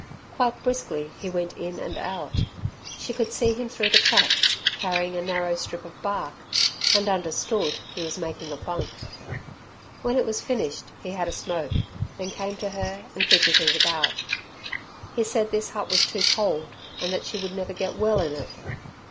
Quite briskly he went in and out. She could see him through the cracks carrying a narrow strip of bark, and understood, he was making a bunk. When it was finished he had a smoke, then came to her and fidgetted about; he said this hut was too cold, and that she would never get well in it.